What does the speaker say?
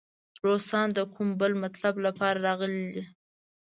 روسان د کوم بل مطلب لپاره راغلي دي.